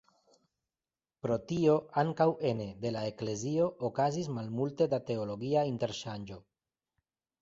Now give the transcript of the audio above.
Pro tio ankaŭ ene de la eklezio okazis malmulte da teologia interŝanĝo.